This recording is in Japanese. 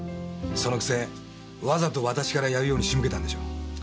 そのくせわざと私からやるように仕向けたんでしょ？